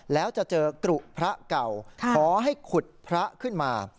แล้วจะเจอกรุพระเก่าขอให้ขุดพระขึ้นมา